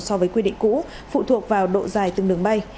so với quy định cũ phụ thuộc vào độ dài từng đường bay